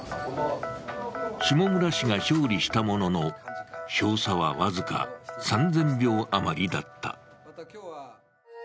下村氏が勝利したものの、票差は僅か３０００票余りだった。